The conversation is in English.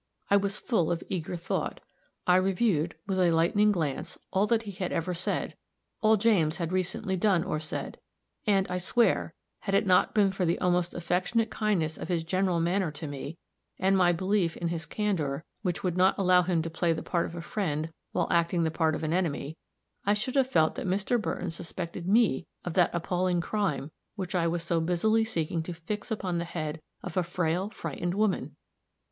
I was full of eager thought. I reviewed, with a lightning glance, all that he had ever said all James had recently done or said and, I swear, had it not been for the almost affectionate kindness of his general manner to me, and my belief in his candor, which would not allow him to play the part of a friend while acting the part of an enemy, I should have felt that Mr. Burton suspected me of that appalling crime which I was so busily seeking to fix upon the head of a frail, frightened woman!